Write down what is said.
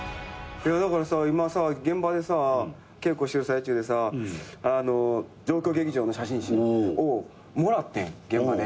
だから今現場でさ稽古してる最中でさ状況劇場の写真集をもらってん現場で。